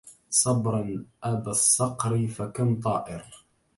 صبراً أبا الصقر فكم طائر